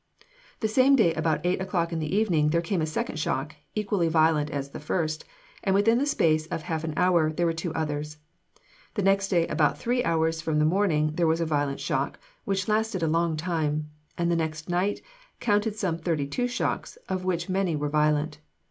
"The same day about eight o'clock in the evening, there came a second shock, equally violent as the first, and within the space of half an hour, there were two others. The next day about three hours from the morning, there was a violent shock, which lasted a long time, and the next night counted some thirty two shocks, of which many were violent.